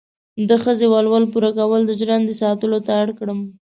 د ښځې ولور پوره کولو، د ژندې ساتلو ته اړ کړم.